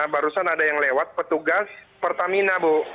barusan ada yang lewat petugas pertamina bu